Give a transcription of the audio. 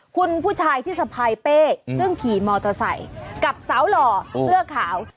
คุณผู้ชายที่สะพายเป้ซึ่งขี่มอเตอร์ไซค์กับสาวหล่อเสื้อขาว